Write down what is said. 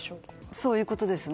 そういうことですね。